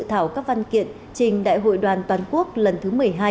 và dự thảo các văn kiện trình đại hội đoàn toàn quốc lần thứ một mươi hai